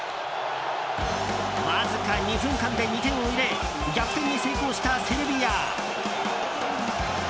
わずか２分間で２点を入れ逆転に成功したセルビア。